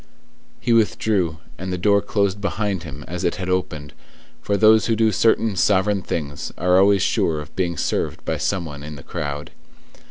He withdrew, and the door closed behind him as it had opened, for those who do certain sovereign things are always sure of being served by some one in the crowd.